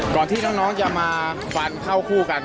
ที่น้องจะมาฟันเข้าคู่กัน